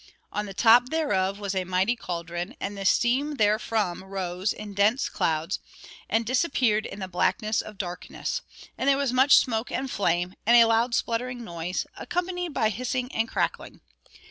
On the top thereof was a mighty cauldron, and the steam therefrom rose in dense clouds, and disappeared in the blackness of darkness; and there was much smoke and flame, and a loud spluttering noise, accompanied by hissing and crackling.